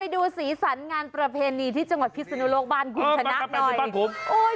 ไปดูศีลศัลงานประเพณีที่จังหวัดพิษณุโลกบ้านกลุ่มถนักหน่อย